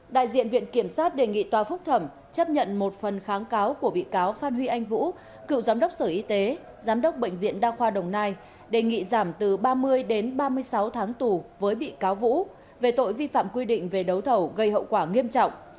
đại diện viện kiểm sát đề nghị tòa phúc thẩm chấp nhận một phần kháng cáo của bị cáo phan huy anh vũ cựu giám đốc sở y tế giám đốc bệnh viện đa khoa đồng nai đề nghị giảm từ ba mươi đến ba mươi sáu tháng tù với bị cáo vũ về tội vi phạm quy định về đấu thầu gây hậu quả nghiêm trọng